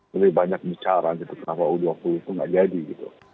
lebih banyak bicara gitu kenapa u dua puluh itu nggak jadi gitu